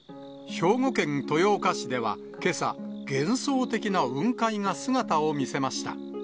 兵庫県豊岡市ではけさ、幻想的な雲海が姿を見せました。